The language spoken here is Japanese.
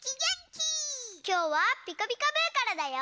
きょうは「ピカピカブ！」からだよ。